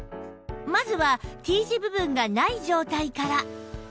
まずは Ｔ 字部分がない状態から